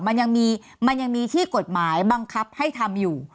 มันยังมีมันยังมีที่กฎหมายบังคับให้ทำอยู่